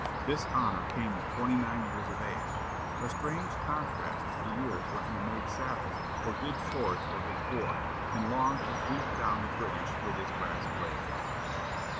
This honor came at twenty nine years of age a strange contrast to the years when he made saddles or did "chores" for his board, and longed to "sweep down the British with his grass blade."